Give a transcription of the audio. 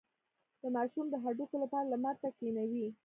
د ماشوم د هډوکو لپاره لمر ته کینوئ